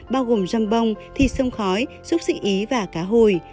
bao gồm râm bông thịt sông khói xúc xị ý và cá hồi